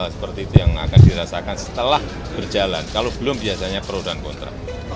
seperti itu yang akan dirasakan setelah berjalan kalau belum biasanya pro dan kontra